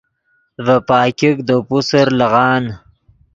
ڤے پاګیک دے پوسر لیغان